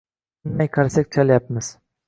Tinmay qarsak chalyapmiz...